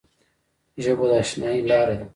ژبه د اشنايي لاره ده